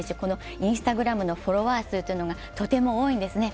Ｉｎｓｔａｇｒａｍのフォロワー数がとても多いんですね。